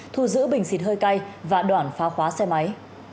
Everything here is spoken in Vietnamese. thu giữ bình xịt hơi cay và đoạn phá khóa xe máy